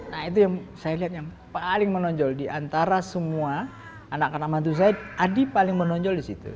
nah itu yang saya lihat yang paling menonjol diantara semua anak anak mantu saya adi paling menonjol di situ